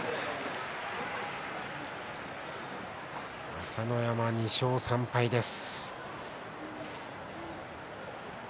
朝乃山、２勝３敗です。